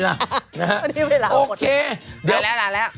แล้วแล้ว